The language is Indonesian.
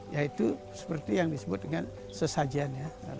yaitu seperti yang disebut dengan sesajian ya